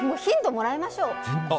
ヒントもらいましょう。